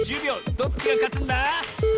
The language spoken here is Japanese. どっちがかつんだ？